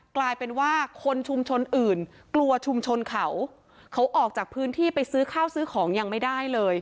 กลายเป็นว่าคนชุมชนอื่นกลัวชุมชนเขาเขาออกจากพื้นที่ไปซื้อข้าวซื้อของยังไม่ได้เลย